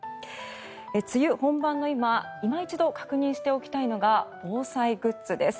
梅雨本番の今いま一度確認しておきたいのは防災グッズです。